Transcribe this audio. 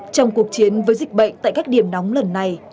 trong cuộc chiến với dịch bệnh tại các điểm nóng lần này